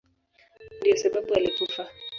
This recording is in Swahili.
Ndiyo sababu alikufa.